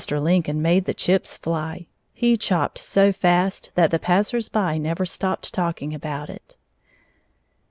Lincoln made the chips fly. He chopped so fast that the passers by never stopped talking about it.